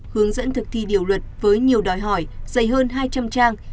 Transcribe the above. hướng dẫn thực thi điều luật với nhiều đòi hỏi dày hơn hai trăm linh trang